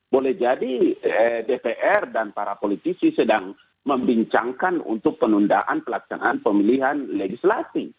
boleh jadi dpr dan para politisi sedang membincangkan untuk penundaan pelaksanaan pemilihan legislatif